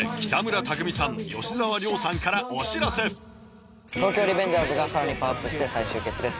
ここで「東京リベンジャーズ」がさらにパワーアップして再集結です。